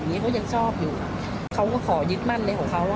เขายังชอบอยู่เขาก็ขอยึดมั่นในหัวเขาแล้วค่ะ